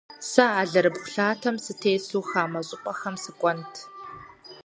Сэ алэрыбгъу лъатэм сытесу хамэ щӏыпӏэхэм сыкӏуэнт.